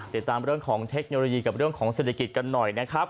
ติดตามเรื่องของเทคโนโลยีกับเรื่องของเศรษฐกิจกันหน่อยนะครับ